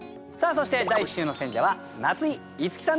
そして第１週の選者は夏井いつきさんです。